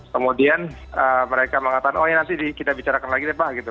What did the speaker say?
kemudian mereka mengatakan oh ya nanti kita bicarakan lagi deh pak gitu